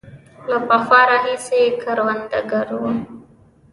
له پخوا راهیسې کروندګر وو.